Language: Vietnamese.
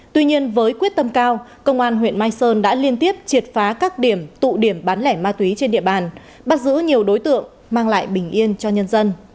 tuy nhiên với quyết tâm cao công an huyện mai sơn đã liên tiếp triệt phá các điểm tụ điểm bán lẻ ma túy trên địa bàn bắt giữ nhiều đối tượng mang lại bình yên cho nhân dân